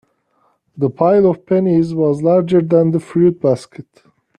The pile of pennies was larger than the fruit basket.